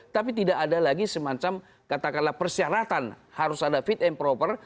tapi tidak ada lagi semacam katakanlah persyaratan harus ada fit and proper